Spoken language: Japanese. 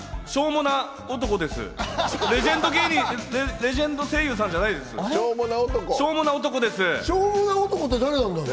レジェンド声優の方じゃないですね？